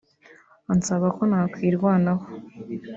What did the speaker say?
ansaba ko nakwirwanaho